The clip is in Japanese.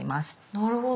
なるほど。